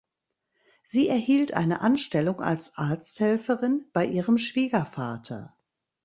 Sie erhielt eine Anstellung als Arzthelferin bei ihrem Schwiegervater.